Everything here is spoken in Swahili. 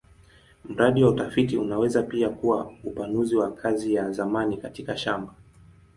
Mradi wa utafiti unaweza pia kuwa upanuzi wa kazi ya zamani katika shamba.